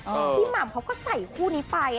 พี่หม่ำเขาก็ใส่คู่นี้ไปอ่ะ